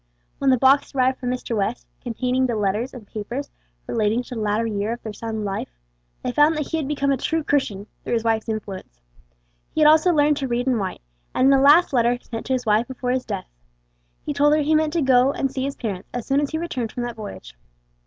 When the box arrived from Mr. West, containing the letter and papers relating to the latter years of their son's life, they found that he had become a true Christian through his wife's influence. He had also learned to read and write; and in the last letter sent to his wife before his death, he told her he meant to go and see his parents as soon as he returned from that voyage.